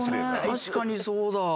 確かにそうだ！